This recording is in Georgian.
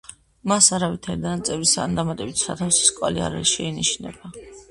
სხვა არავითარი დანაწევრებისა ან დამატებითი სათავსის კვალი არ შეინიშნება.